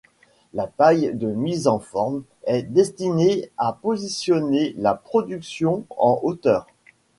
La taille de mise en forme est destinée à positionner la production en hauteur.